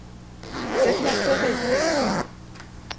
Ketna pesa e simu ka.